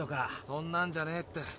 そんなんじゃねえって。